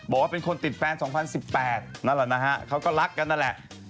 บอกว่าเป็นคนติดแฟน๒๐๑๘นั่นแหละนะฮะเขาก็รักกันนั่นแหละ